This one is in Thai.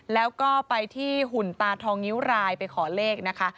แล้วก็ไปที่หุ่นตาทองนิ้วรายไปขอเลขนะคะ